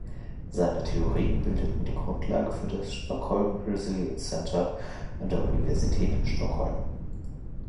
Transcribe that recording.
Seine Theorien bildeten die Grundlage für das Stockholm Resilience Centre an der Universität Stockholm.